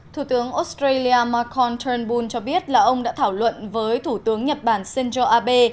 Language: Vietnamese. thủ tướng australia marcon turnbull cho biết là ông đã thảo luận với thủ tướng nhật bản senjo abe